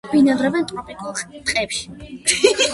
ბინადრობენ ტროპიკულ ტყეებში.